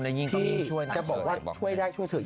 ยิ่งที่จะบอกว่าช่วยได้ช่วยเถอะ